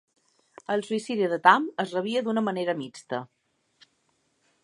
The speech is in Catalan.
El suïcidi de Tam es rebia d'una manera mixta.